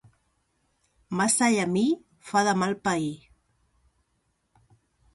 Massa llamí fa de mal pair.